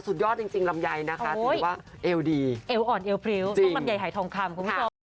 สุดยอดจริงลำไยนะคะเอวดีเอวอ่อนเอวพริ้วลำไยหายทองคำ